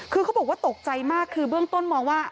คือเขาบอกว่าตกใจมากคือเบื้องต้นมองว่า